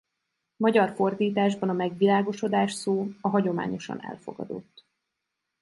Magyar fordításban a megvilágosodás szó a hagyományosan elfogadott.